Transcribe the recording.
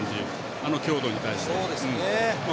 あの強度に対して。